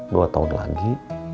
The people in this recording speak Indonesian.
dua tahun lagi